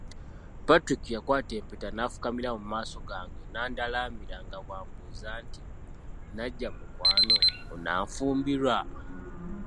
Patrick yakwata empeta n'afukamira mu maaso gange n'andalamira nga bw'ambuuza nti, "Nnajja mukwano, onanfumbirwa?